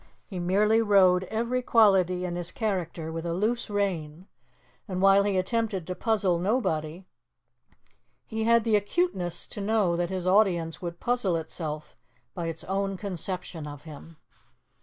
He merely rode every quality in his character with a loose rein, and while he attempted to puzzle nobody, he had the acuteness to know that his audience would puzzle itself by its own conception of him.